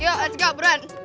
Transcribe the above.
yuk let's go beran